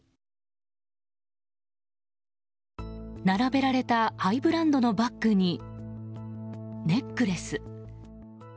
並べられたハイブランドのバッグにネックレス。